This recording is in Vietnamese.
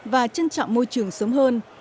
và trân trọng môi trường sớm hơn